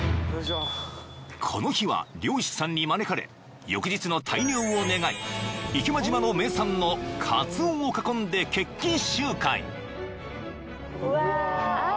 ［この日は漁師さんに招かれ翌日の大漁を願い池間島の名産のカツオを囲んで決起集会］